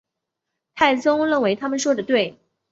太宗认为他们说得对。